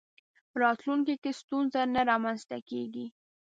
راتلونکي کې ستونزه نه رامنځته کېږي.